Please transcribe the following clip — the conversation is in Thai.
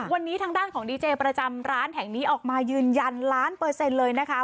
วันนี้ทางด้านของดีเจประจำร้านแห่งนี้ออกมายืนยันล้านเปอร์เซ็นต์เลยนะคะ